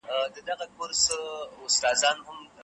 مشرانو به د ولس د ژوند د سمون لپاره پلانونه پلي کول.